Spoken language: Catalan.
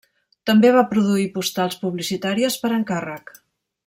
També va produir postals publicitàries, per encàrrec.